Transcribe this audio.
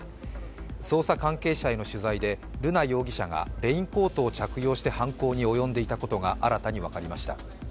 捜査関係者への取材で瑠奈容疑者がレインコートを着用して犯行に及んでいたことが新たに分かりました。